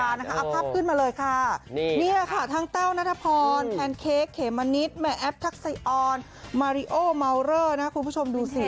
เอาภาพขึ้นมาเลยค่ะนี่ค่ะทั้งแต้วนัทพรแพนเค้กเขมมะนิดแม่แอฟทักษะออนมาริโอเมาเลอร์นะคุณผู้ชมดูสิ